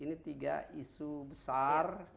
ini tiga isu besar